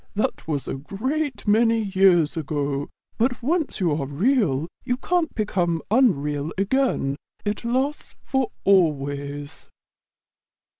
"That was a great many years ago; but once you are Real you can't become unreal again. It lasts for always."